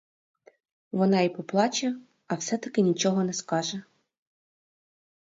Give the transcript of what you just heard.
Вона і поплаче, а все-таки нічого не скаже.